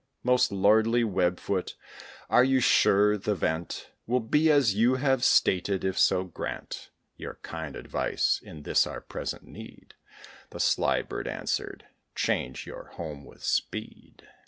"Most lordly web foot! are you sure th' event Will be as you have stated? If so, grant Your kind advice in this our present need!" The sly bird answered "Change your home with speed."